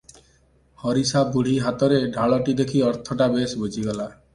ହରି ସା ବୁଢ଼ୀ ହାତରେ ଢାଳଟି ଦେଖି ଅର୍ଥଟା ବେଶ ବୁଝିଗଲା ।